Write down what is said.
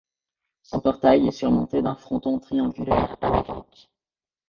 Son portail est surmonté d'un fronton triangulaire à la grecque.